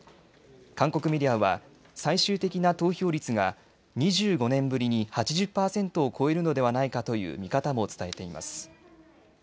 韓国メディアは最終的な投票率が２５年ぶりに８０％を超えるのではないかという見方も伝えています。